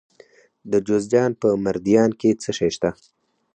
د جوزجان په مردیان کې څه شی شته؟